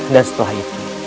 dan setelah itu